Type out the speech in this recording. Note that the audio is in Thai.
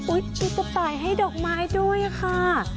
ชุดกระต่ายให้ดอกไม้ด้วยค่ะ